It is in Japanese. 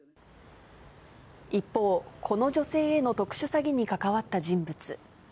一方、この女性への特殊詐欺に関わった人物。